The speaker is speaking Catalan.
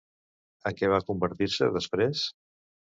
En què va convertir-se després?